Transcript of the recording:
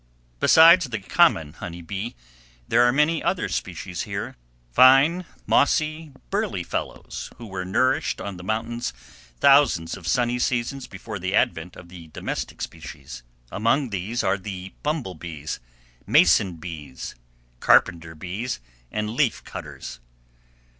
Besides the common honey bee there are many other species here—fine mossy, burly fellows, who were nourished on the mountains thousands of sunny seasons before the advent of the domestic species. Among these are the bumblebees, mason bees, carpenter bees, and leaf cutters.